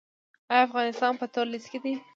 آیا افغانستان په تور لیست کې دی؟